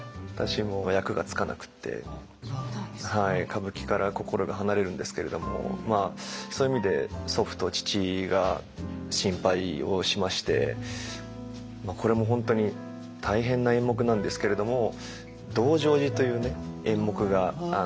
歌舞伎から心が離れるんですけれどもそういう意味で祖父と父が心配をしましてこれも本当に大変な演目なんですけれども「道成寺」というね演目が。